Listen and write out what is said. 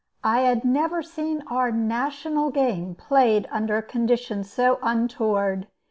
I had never seen our "national game" played under conditions so untoward.